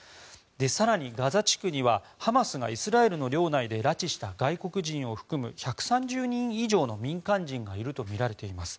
更にガザ地区にはハマスがイスラエルの領内で拉致した外国人を含む１３０人以上の民間人がいるとみられています。